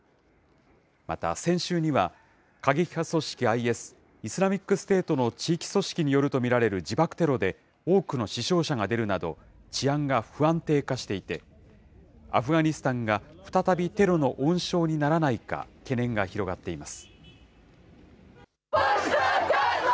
また先週には、過激派組織ＩＳ・イスラミックステートの地域組織によると見られる自爆テロで多くの死傷者が出るなど、治安が不安定化していて、アフガニスタンが再びテロの温床にならないか、懸念が広がっています。